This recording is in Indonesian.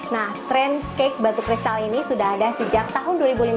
nah tren cake batu kristal ini sudah ada sejak tahun dua ribu lima belas